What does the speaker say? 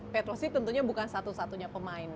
petrosi tentunya bukan satu satunya pemain